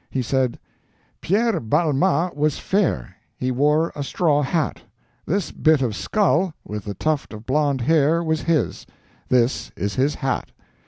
He said: "Pierre Balmat was fair; he wore a straw hat. This bit of skull, with the tuft of blond hair, was his; this is his hat.